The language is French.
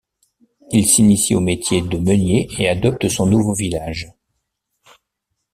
Il s'initie au métier de meunier et adopte son nouveau village.